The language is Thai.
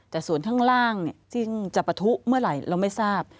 แต่ส่วนข้างล่างซึ่งจะปะทุเมื่อไหร่เราไม่ทราบ